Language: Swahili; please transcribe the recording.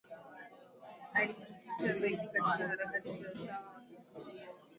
Akijikita zaidi katika harakati za usawa wa kijinsia